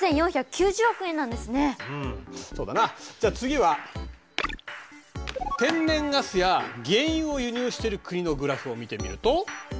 じゃあ次は天然ガスや原油を輸入している国のグラフを見てみると。